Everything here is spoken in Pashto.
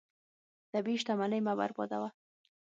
طبیعي شتمنۍ مه بربادوه.